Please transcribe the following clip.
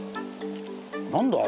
何だ？